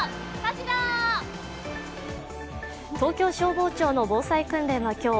東京消防庁の防災訓練は今日、